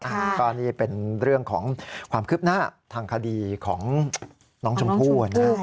อันนี้เป็นเรื่องของความคืบหน้าทางคดีของน้องชมพู่นะ